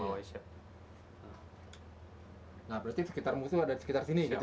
nah berarti sekitar musuh ada di sekitar sini